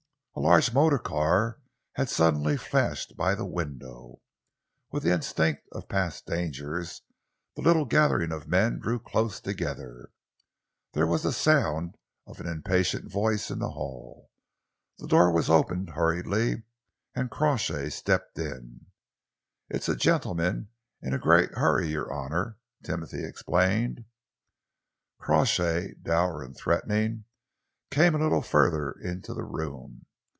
A large motor car had suddenly flashed by the window. With the instinct of past dangers, the little gathering of men drew close together. There was the sound of an impatient voice in the hall. The door was opened hurriedly and Crawshay stepped in. "It is a gentleman in a great hurry, your honour," Timothy explained. Crawshay, dour and threatening, came a little further into the room.